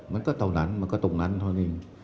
มันก็เท่านั้นมันก็ตรงนั้นเท่านี้